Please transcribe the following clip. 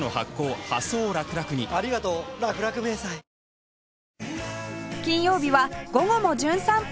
ニトリ金曜日は『午後もじゅん散歩』